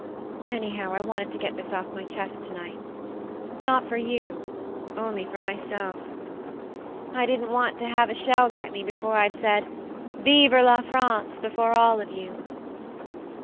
... "Anyhow, I wanted to get this off my chest to night ; not for you, only for myself. I didn't want to have a THE MARNE 107 shell get me before I'd said * Veever la France !' before all of you.